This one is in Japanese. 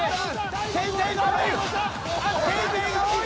先生が多い！